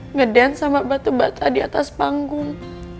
ngedance sama batu bata di atas panggung